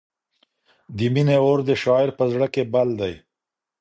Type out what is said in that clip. د مینې اور د شاعر په زړه کې بل دی.